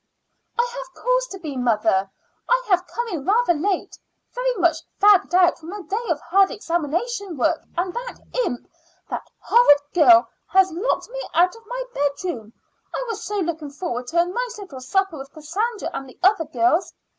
"I have cause to be, mother. I have come in rather late, very much fagged out from a day of hard examination work and that imp that horrid girl has locked me out of my bedroom. I was so looking forward to a nice little supper with Cassandra and the other girls!